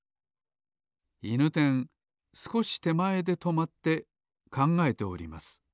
いぬてんすこしてまえでとまってかんがえております